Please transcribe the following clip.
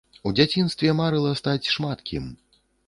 У дзяцінстве марыла стаць шмат кім.